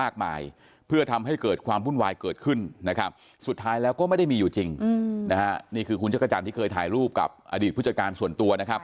นี่คือคุณจักรจันทร์ที่เคยถ่ายรูปกับอดีตผู้จัดการส่วนตัวนะครับ